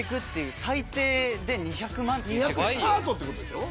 スタートってことでしょ？